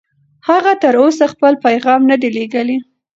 هغه تر اوسه خپل پیغام نه دی لېږلی.